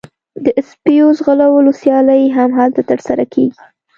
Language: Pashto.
د سپیو ځغلولو سیالۍ هم هلته ترسره کیږي